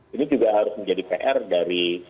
ini juga harus menjadi pr dari